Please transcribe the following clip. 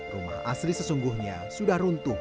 rumah asli sesungguhnya sudah runtuh